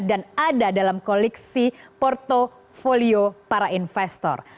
dan ada dalam koleksi portfolio para investor